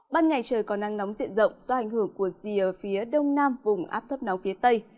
ban ngày trời có nắng nóng diện rộng do ảnh hưởng của rìa phía đông nam vùng áp thấp nóng phía tây